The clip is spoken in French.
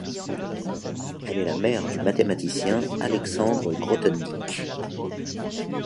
Elle est la mère du mathématicien Alexandre Grothendieck.